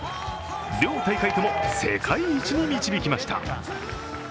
両大会とも世界一に導きました。